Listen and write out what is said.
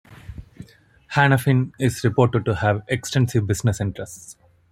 Hanafin is reported to have extensive business interests.